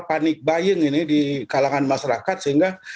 panik buying ini di kalangan masyarakat sehingga